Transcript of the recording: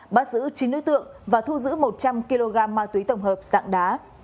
bắt giữ chín đối tượng và thu giữ một trăm linh kg ma túy tổng hợp dạng đá